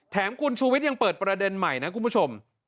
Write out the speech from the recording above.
คุณชูวิทย์ยังเปิดประเด็นใหม่นะคุณผู้ชม